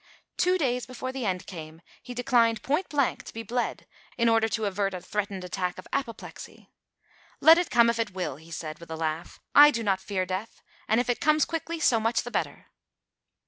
Two days before the end came he declined point blank to be bled in order to avert a threatened attack of apoplexy. "Let it come if it will," he said, with a laugh. "I do not fear death; and if it comes quickly, so much the better!"